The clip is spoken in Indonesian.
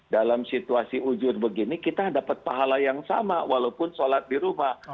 dalam situasi ujur begini kita dapat pahala yang sama walaupun sholat di rumah